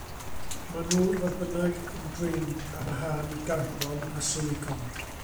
Maen nhw, fodd bynnag, yn brin, ar wahân i garbon a silicon.